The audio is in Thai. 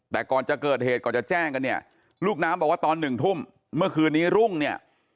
แต่ก่อนจะเกิดเหตุก่อนจะแจ้งกันเนี่ยลูกน้ำบอกว่าตอนหนึ่งทุ่มเมื่อคืนนี้รุ่งเนี่ย